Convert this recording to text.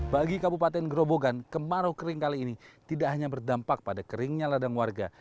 bagi kabupaten gerobogan kemarau kering kali ini tidak hanya berdampak pada keringnya ladang warga